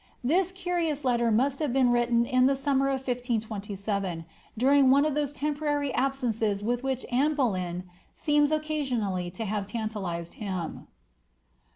This curious letter must have been written in the summer of 1527, during one of those temporary absenca with which Anne Boleyn seems occasionally to have tantalized him :^' MSS.